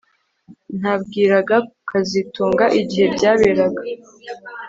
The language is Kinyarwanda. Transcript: Nabwiraga kazitunga igihe byaberaga